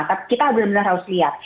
tapi kita benar benar harus lihat